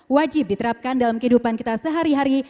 wajib diterapkan dalam kehidupan kita sehari hari